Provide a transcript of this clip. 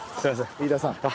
飯田さん。